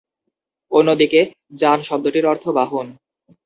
অন্যদিকে ‘যান’ শব্দটির অর্থ ‘বাহন’।